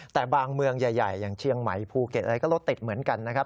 แต่บางเมืองใหญ่อย่างเชียงใหม่ภูเก็ตอะไรก็รถติดเหมือนกันนะครับ